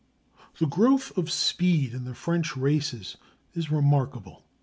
The growth of speed in the French races is remarkable.